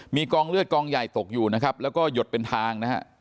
มีกองเลือดกองใหญ่ตกอยู่นะครับแล้วก็หยดเป็นทางนะฮะ